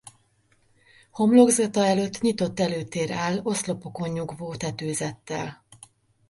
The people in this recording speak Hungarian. Homlokzata előtt nyitott előtér áll oszlopokon nyugvó tetőzettel.